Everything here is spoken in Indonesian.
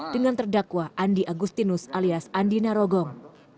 dengan terdakwa andi agustinus alias andi narogong